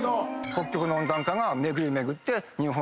北極の温暖化が巡り巡って日本に影響。